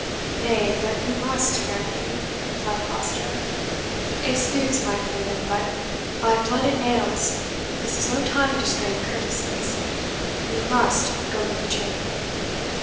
"Nay, but you must, fair lady," replied Foster; "excuse my freedom, but, by blood and nails, this is no time to strain courtesies you MUST go to your chamber.